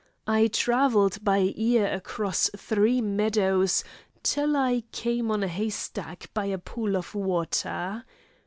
I travelled by ear across three meadows, till I came on a hay stack by a pool of water.